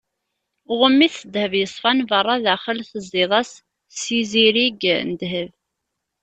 Ɣumm-it s ddheb yeṣfan, beṛṛa, daxel tezziḍ-as-d s izirig n ddheb.